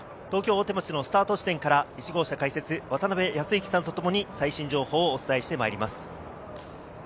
東京・大手町のスタート地点から１号車解説・渡辺康幸さんとともに最新情報をお伝えしてまいります。